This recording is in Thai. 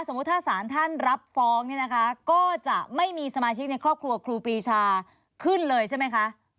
ถ้าสารท่านรับฟ้องเนี่ยนะคะก็จะไม่มีสมาชิกในครอบครัวครูปีชาขึ้นเลยใช่ไหมคะ